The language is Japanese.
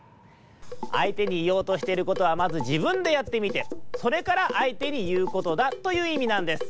「あいてにいおうとしてることはまずじぶんでやってみてそれからあいてにいうことだ」といういみなんです。